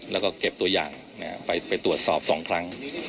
แล้วก็เก็บตัวอย่างไปตรวจสอบ๒ครั้ง